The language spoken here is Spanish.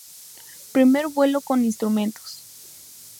Primer vuelo con instrumentos.